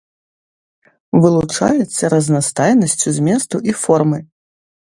Вылучаецца разнастайнасцю зместу і формы.